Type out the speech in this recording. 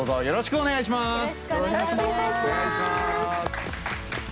よろしくお願いします。